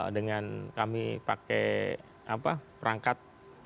dengan kami pakai perangkat